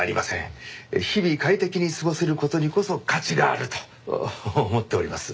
日々快適に過ごせる事にこそ価値があると思っております。